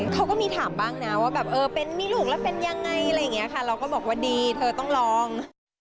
เขาก็มีถามบ้างนะว่าแบบเออเป็นมีลูกแล้วเป็นยังไงอะไรอย่างนี้ค่ะเราก็บอกว่าดีเธอต้องลอง